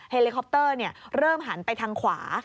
เลคอปเตอร์เริ่มหันไปทางขวา